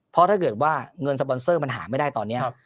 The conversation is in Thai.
เพราะถ้าเกิดว่าเงินสปอนเซอร์มันหาไม่ได้ตอนนี้